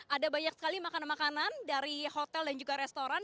ada banyak sekali makanan makanan dari hotel dan juga restoran